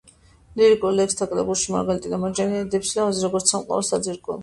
ლირიკულ ლექსთა კრებულში „მარგალიტი და მარჯანი“ ადიდებს სილამაზეს, როგორც სამყაროს საძირკველს.